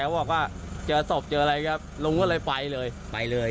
บอกว่าเจอศพเจออะไรครับลุงก็เลยไปเลยไปเลย